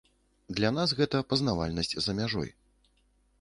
Для нас гэта пазнавальнасць за мяжой.